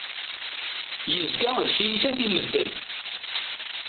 Yezga d tiyita di medden.